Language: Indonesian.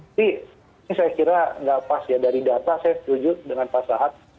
ini saya kira nggak pas ya dari data saya setuju dengan pak sahat